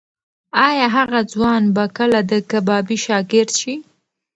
ایا هغه ځوان به کله د کبابي شاګرد شي؟